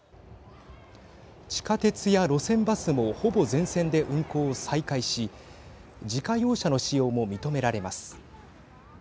地下鉄や路線バスもほぼ全線で運行を再開し自家用車の使用も認められます。